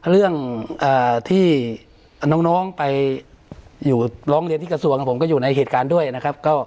เรื่องที่น้องไปอยู่ร้องเรียนที่กระทรวงผมก็อยู่ในเหตุการณ์ด้วยนะครับ